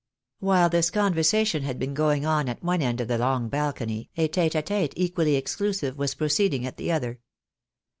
While this conversation had been going on at one end of the long balcony, a tete a tite equally exclusive was proceeding at the other.